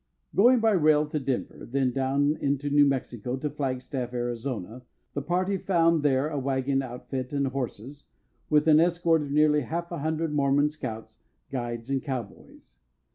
] Going by rail to Denver, then down into New Mexico to Flagstaff, Arizona, the party found there a wagon outfit and horses, with an escort of nearly half a hundred Mormon scouts, guides, and cowboys.